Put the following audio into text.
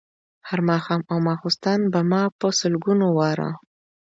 هر ماښام او ماخوستن به ما په سلګونو واره.